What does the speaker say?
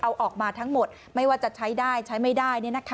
เอาออกมาทั้งหมดไม่ว่าจะใช้ได้ใช้ไม่ได้